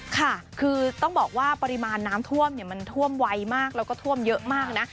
ค่ะคือต้องบอกว่าปริมาณน้ำท่วมมันท่วมไวมากแล้วก็ท่วมเยอะมากนะ